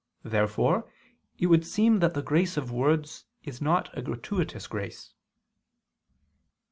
Therefore it would seem that the grace of words is not a gratuitous grace.